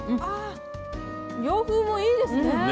洋風もいいですね。